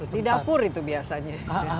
di dapur itu biasanya